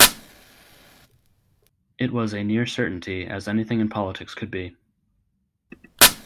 It was a near certainty as anything in politics could be.